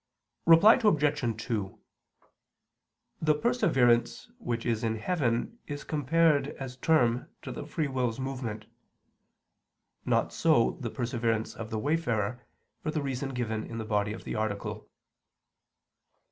Reply Obj. 2: The perseverance which is in heaven is compared as term to the free will's movement; not so, the perseverance of the wayfarer, for the reason given in the body of the article.